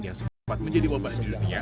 yang sempat menjadi wabah di dunia